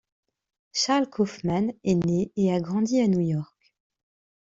Charles Kaufman est né et a grandi à New York.